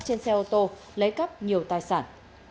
trên xe ô tô lấy cắp nhiều tài sản